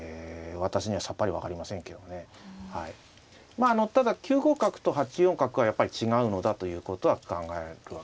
まああのただ９五角と８四角はやっぱり違うのだということは考えるわけですね。